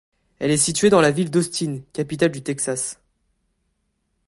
Il est situé dans la ville d'Austin, capitale du Texas.